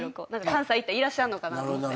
関西行ったらいらっしゃるのかなと思って。